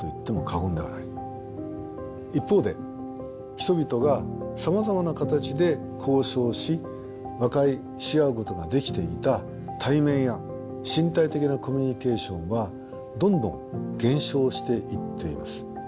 一方で人々がさまざまな形で交渉し和解し合うことができていた対面や身体的なコミュニケーションはどんどん減少していっています。